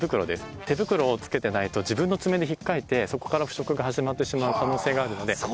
手袋をつけてないと自分の爪で引っかいてそこから腐食が始まってしまう可能性があるので。